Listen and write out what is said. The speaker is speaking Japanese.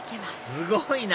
すごいな！